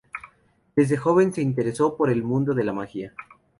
Desde joven se interesó por el mundo de la magia.